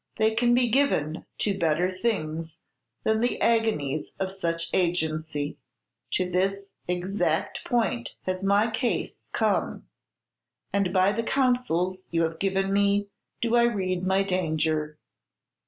They can be given to better things than the agonies of such agency. To this exact point has my case come, and by the counsels you have given me do I read my danger!